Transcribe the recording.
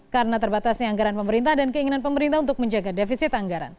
karena terbatasnya anggaran pemerintah dan keinginan pemerintah untuk menjaga defisit